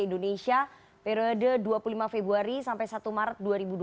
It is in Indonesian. indonesia periode dua puluh lima februari sampai satu maret dua ribu dua puluh